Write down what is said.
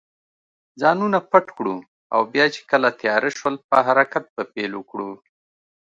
ځانونه پټ کړو او بیا چې کله تېاره شول، په حرکت به پیل وکړو.